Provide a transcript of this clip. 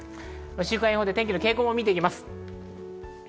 週間予報で天気の傾向を見ていきます。